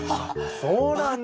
そうなんだ。